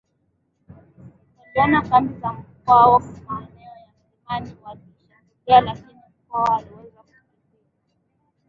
waliona kambi ya Mkwawa maeneo ya milimani waliishambulia lakini Mkwawa aliweza kukimbia